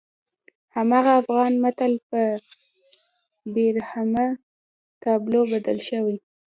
هماغه افغان متل په بېرحمه تابلو بدل شوی.